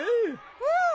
うん。